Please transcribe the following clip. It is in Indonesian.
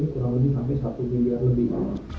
kurang lebih sampai satu miliar lebih